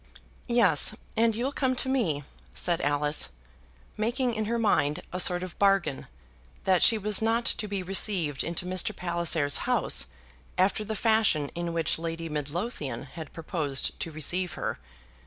"Yes; and you'll come to me," said Alice, making in her mind a sort of bargain that she was not to be received into Mr. Palliser's house after the fashion in which Lady Midlothian had proposed to receive her.